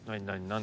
何？